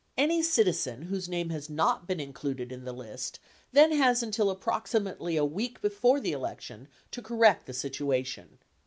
Any citizen whose name has not been included in the list then has until approximately a week be fore the election to correct the situation.